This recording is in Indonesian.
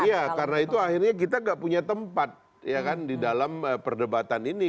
iya karena itu akhirnya kita gak punya tempat di dalam perdebatan ini